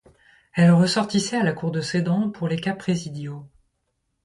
Elles ressortissaient à la cour de Sedan pour les cas présidiaux.